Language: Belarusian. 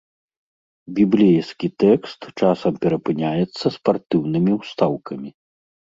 Біблейскі тэкст часам перапыняецца спартыўнымі ўстаўкамі.